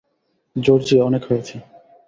Georgia, অনেক হয়েছে।